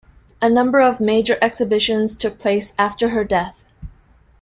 A number of major exhibitions took place after her death.